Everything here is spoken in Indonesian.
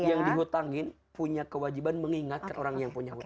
yang dihutangin punya kewajiban mengingatkan orang yang punya hutang